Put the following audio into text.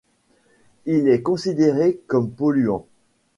Il est considéré comme polluant.